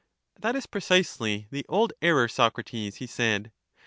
That is precisely the old error, Socrates, he said.